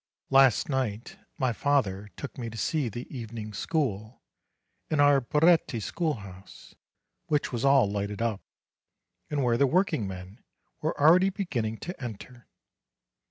LAST night my father took me to see the evening school in our Baretti schoolhouse, which was all lighted up, and where the workingmen were already beginning to enter.